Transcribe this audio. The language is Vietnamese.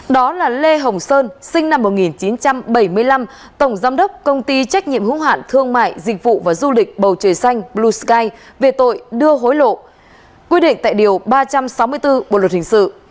đó là lê hồng sơn sinh năm một nghìn chín trăm bảy mươi năm tổng giám đốc công ty trách nhiệm hữu hạn thương mại dịch vụ và du lịch bầu trời xanh blue sky về tội đưa hối lộ quy định tại điều ba trăm sáu mươi bốn bộ luật hình sự